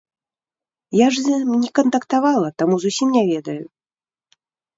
Я ж з ім не кантактавала, таму зусім не ведаю.